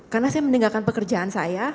karena saya meninggalkan pekerjaan saya